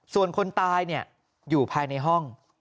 ส่วนคนตายอยู่ภายในห้อง